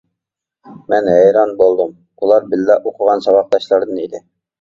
مەن ھەيران بولدۇم، ئۇلار بىللە ئوقۇغان ساۋاقداشلاردىن ئىدى.